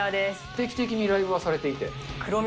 定期的にライブはされていて？